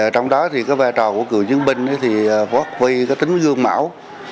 trong đó vệ trò của cựu dân binh phát huy tính gương mạo